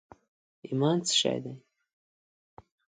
ایمان څه شي دي؟